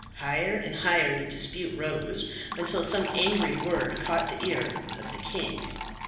Higher and higher the dispute rose, until some angry word caught the ear of the king.